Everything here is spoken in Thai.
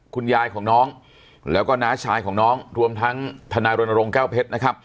คุณยายของน้องแล้วก็น้าชายของน้องรวมทั้งธนายรณรงค์แก้วเพชรนะครับ